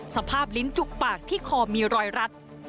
สภาพลิ้นจุกปากที่คอมีรอยรัด